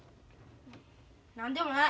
何でもない。